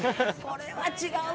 これはもう。